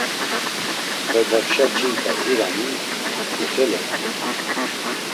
Korbapşa ç̌inǩa zirani, ixelert̆ey.